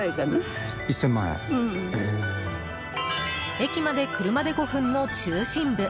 駅まで車で５分の中心部。